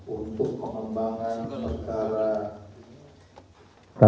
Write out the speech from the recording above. untuk pengembangan perkara